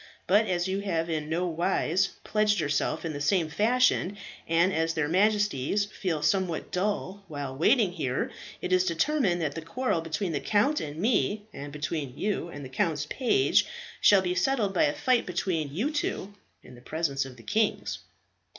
But as you have no wise pledged yourself in the same fashion, and as their Majesties fell somewhat dull while waiting here, it is determined that the quarrel between me, and between you and the count's page, shall be settled by a fight between you in the presence of the kings."